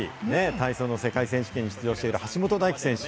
体操の世界選手権に出場している橋本大輝選手。